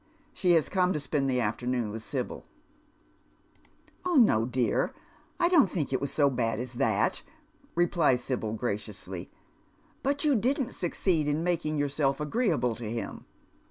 She has come to spend the afternoon with Sibyl. * No, dear, I don't think it was so bad as that," replies Sibyl, graciously ;" but you didn't succeed in making yourself agreeable to him."